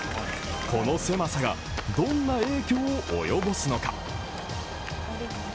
この狭さがどんな影響を及ぼすのか。